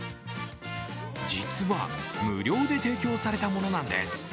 実は無料で提供されたものなんです。